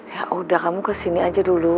ya udah kamu kesini aja dulu